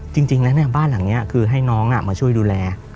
จริงแล้วบ้านหลังนี้คือให้น้องมาช่วยดูแล